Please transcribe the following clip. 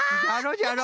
じゃろ？